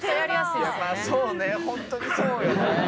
「そうねホントにそうよね」